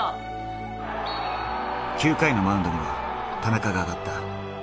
９回のマウンドには田中が上がった。